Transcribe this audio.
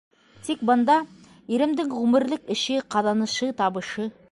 Тик бында... иремдең ғүмерлек эше, ҡаҙанышы, табышы.